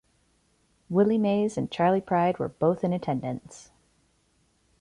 Willie Mays and Charley Pride were both in attendance.